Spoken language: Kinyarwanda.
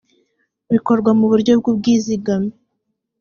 bukorwa mu buryo bw ubwizigame